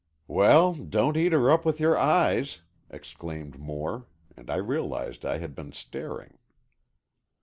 "Well, don't eat her up with your eyes!" exclaimed Moore, and I realized I had been staring.